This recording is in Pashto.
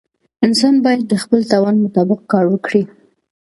انسان باید د خپل توان مطابق کار وکړي.